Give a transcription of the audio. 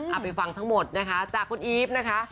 เอาไปฟังทั้งหมดนะคะจากคุณอีฟนะคะ